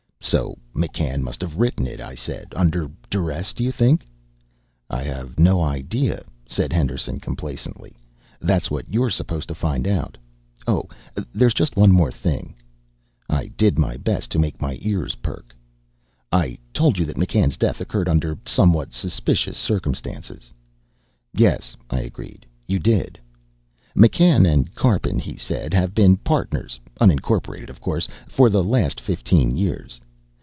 "So McCann must have written it," I said. "Under duress, do you think?" "I have no idea," said Henderson complacently. "That's what you're supposed to find out. Oh, there's just one more thing." I did my best to make my ears perk. "I told you that McCann's death occurred under somewhat suspicious circumstances." "Yes," I agreed, "you did." "McCann and Karpin," he said, "have been partners unincorporated, of course for the last fifteen years.